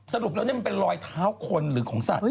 สรุปแล้วนี่มันเป็นรอยเท้าคนหรือของสัตว